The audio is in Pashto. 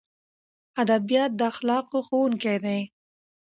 ادبیات د اخلاقو ښوونکي دي.